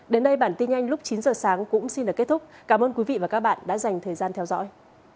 đến đây bản tin nhanh lúc chín giờ sáng cũng xin được kết thúc cảm ơn quý vị và các bạn đã dành thời gian theo dõi